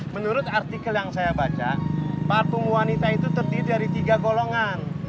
menurut artikel yang saya baca patung wanita itu terdiri dari tiga golongan